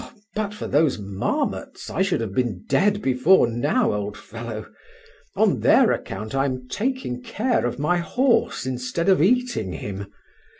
but for those marmots, I should have been dead before now, old fellow. On their account I am taking care of my horse instead of eating him.